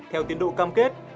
theo tiến độ cam kết